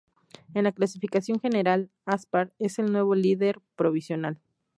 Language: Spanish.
En la clasificación general, Aspar es el nuevo líder provisional.